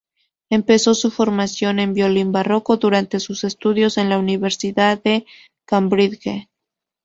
Empezó su formación en violín barroco durante sus estudios en la Universidad de Cambridge.